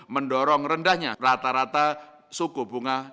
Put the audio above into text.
mendorong rendahnya rata rata suku bunga